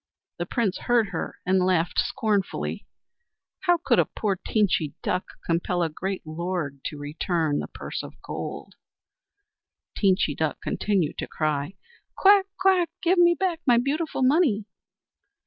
The Prince heard her and laughed scornfully. How could a poor Teenchy Duck compel a great lord to return the purse of gold? Teenchy Duck continued to cry: "Quack! quack! Give me back my beautiful money!"